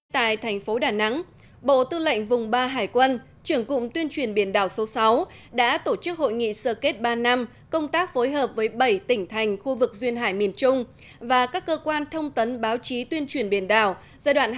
tại thành phố đà nẵng bộ tư lệnh vùng ba hải quân trưởng cụm tuyên truyền biển đảo số sáu đã tổ chức hội nghị sơ kết ba năm công tác phối hợp với bảy tỉnh thành khu vực duyên hải miền trung và các cơ quan thông tấn báo chí tuyên truyền biển đảo giai đoạn hai nghìn một mươi bốn hai nghìn hai mươi